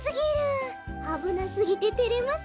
あぶなすぎててれますね。